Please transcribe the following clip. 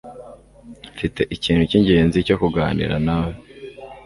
Mfite ikintu cyingenzi cyo kuganira nawe